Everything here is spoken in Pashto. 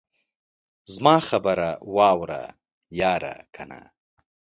زما خبره واوره ياره کنه.